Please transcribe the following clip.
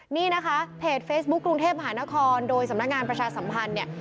นี่นะคะเพจเฟซบุ๊คกรุงเทพหานครโดยสำนักงานประชาสัมพันธ์เนี่ย